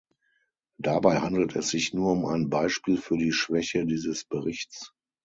Dabei handelt es sich nur um ein Beispiel für die Schwäche dieses Berichts.